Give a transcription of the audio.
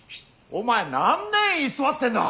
お前何年居座ってんだ！